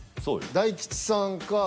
大吉さんか。